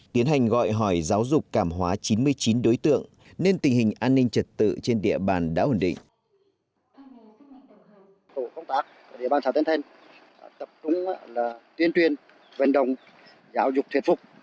tiến hành gọi hỏi giáo dục cảm hóa chín mươi chín đối tượng nên tình hình an ninh trật tự trên địa bàn đã ổn định